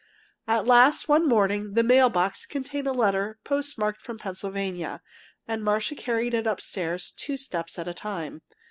At last one morning the mail box contained a letter postmarked from Pennsylvania, and Marcia carried it upstairs two steps at a time.